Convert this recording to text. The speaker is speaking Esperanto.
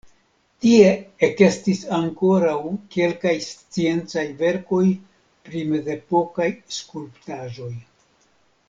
Tie ekestis ankoraŭ kelkaj sciencaj verkoj pri mezepokaj skulptaĵoj.